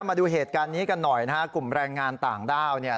มาดูเหตุการณ์นี้กันหน่อยนะฮะกลุ่มแรงงานต่างด้าวเนี่ย